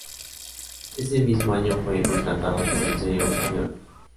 Ese mismo año fue contratado por el sello Ariola.